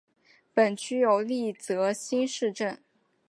本区有立泽新市镇。